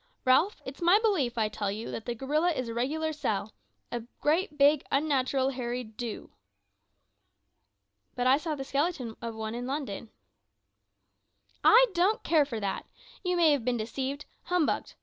Ralph, it's my belief, I tell you, that the gorilla is a regular sell a great, big, unnatural hairy do!" "But I saw the skeleton of one in London." "I don't care for that. You may have been deceived, humbugged.